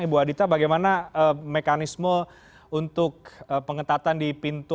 ibu adita bagaimana mekanisme untuk pengetatan di pintu